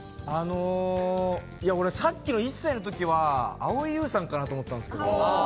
さっきの１歳の時は蒼井優さんかなと思ったんですけど。